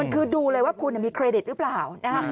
คือดูเลยว่าคุณมีเครดิตหรือเปล่า